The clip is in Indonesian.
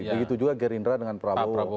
begitu juga gerindra dengan prabowo